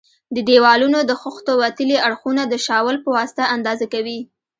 د دېوالونو د خښتو وتلي اړخونه د شاول په واسطه اندازه کوي.